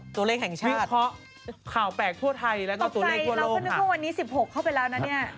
ตัวเลขแห่งชาติวิเคราะห์ข่าวแปลกทั่วไทยแล้วก็ตัวเลขทั่วโลกค่ะตอบใจเราขึ้นเมื่อพรุ่งวันนี้๑๖เข้าไปแล้วนะเนี่ย